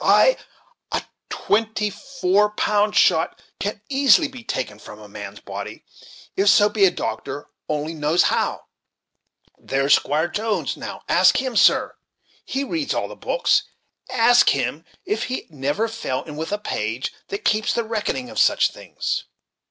ay! a twenty four pound shot can easily be taken from a man's body, if so be a doctor only knows how, There's Squire Jones, now, ask him, sir; he reads all the books; ask him if he never fell in with a page that keeps the reckoning of such things."